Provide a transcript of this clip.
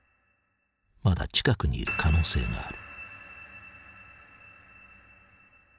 まだ近くにいる可能性がある。